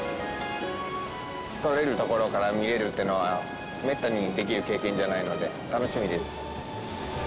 取れるところから見れるっていうのはめったにできる経験じゃないので楽しみです。